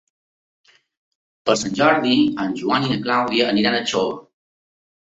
Per Sant Jordi en Joan i na Clàudia aniran a Xóvar.